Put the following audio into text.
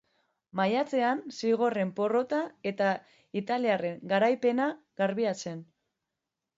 Maiatzean zigorren porrota eta italiarren garaipena garbia zen.